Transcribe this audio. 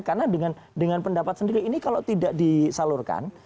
karena dengan pendapat sendiri ini kalau tidak disalurkan